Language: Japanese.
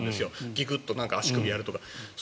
ギクッと足首をやるとか。